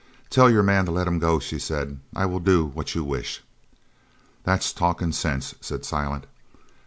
"Tell your man to let him go," she said, "I will do what you wish." "That's talkin' sense," said Silent.